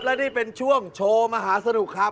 และนี่เป็นช่วงโชว์มหาสนุกครับ